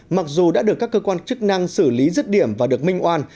mặc dù đã được các cơ quan chức năng xử lý rứt điểm và được minh oan